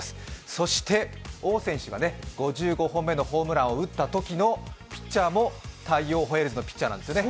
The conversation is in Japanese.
そして、王選手が５５本目のホームランを打ったときのピッチャーも大洋ホエールズのピッチャーなんですよね。